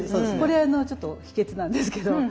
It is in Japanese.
これちょっと秘けつなんですけど。